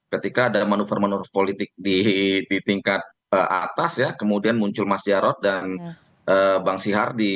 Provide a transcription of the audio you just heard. ketika ada manuver manuver politik di tingkat atas ya kemudian muncul mas jarod dan bang sihardi